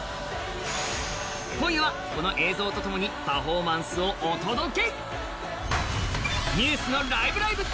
今夜はこの映像と共にパフォーマンスをお届け。